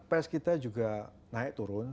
pes kita juga naik turun